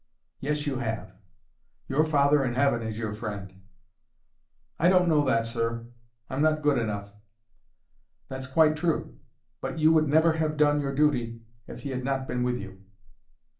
"Yes, you have. Your Father in heaven is your friend." "I don't know that, sir. I'm not good enough." "That's quite true. But you would never have done your duty if He had not been with you."